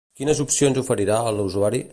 Quines opcions oferirà a l'usuari?